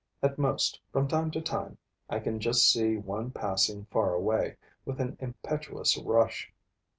At most, from time to time, I can just see one passing far away, with an impetuous rush.